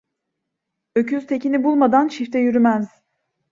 Öküz tekini bulmadan çifte yürümez.